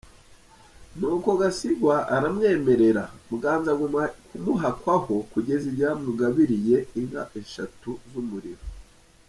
Nuko Gasigwa aramwemerera, Muganza agumya kumuhakwaho kugeza igihe amugabiriye inka eshatu z’umuriro .